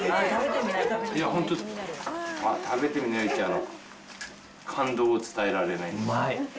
食べてみないと、感動を伝えられない。